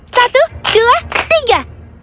satu dua tiga